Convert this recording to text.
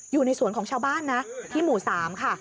อยู่ในสวนของชาวบ้านนะที่หมู่๓ค่ะ